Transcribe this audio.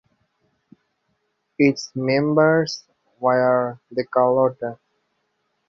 Its members wear the calotte.